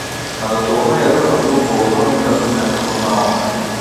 Налетуваме еден на друг во огромен град и не се познаваме.